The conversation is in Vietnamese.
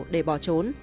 để bỏ trốn